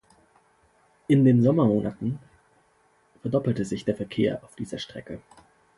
In den Sommermonaten verdoppelte sich der Verkehr auf dieser Strecke.